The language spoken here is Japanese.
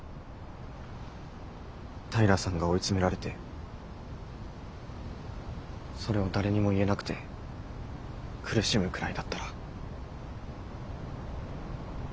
平さんが追い詰められてそれを誰にも言えなくて苦しむくらいだったら。